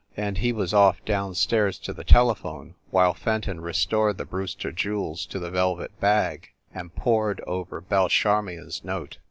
and he was off down stairs to the telephone while Fen ton restored the Brewster jewels to the velvet bag, and pored over Belle Charmioirs note.